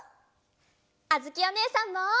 あづきおねえさんも！